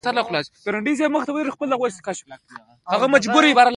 ځغاسته د خپل مهارت تمرین دی